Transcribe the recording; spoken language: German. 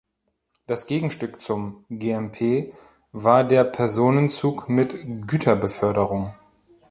Das Gegenstück zum Gmp war der Personenzug mit Güterbeförderung.